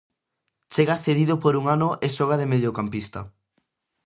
Chega cedido por un ano e xoga de mediocampista.